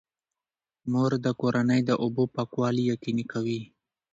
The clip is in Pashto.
مور د کورنۍ د اوبو پاکوالی یقیني کوي.